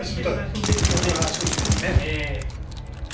足腰がいいよね。